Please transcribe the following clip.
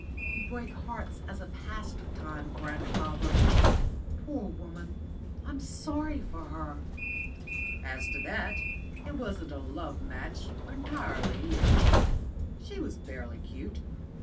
"You break hearts as a pastime, grandfather. Poor woman. I'm sorry for her." "As to that, it wasn't a love match entirely either. She was fairly cute.